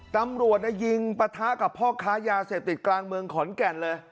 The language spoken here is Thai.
ตำรวจยิงปะทะกับพ่อค้ายาเสพติดกลางเมืองขอนแก่นเลย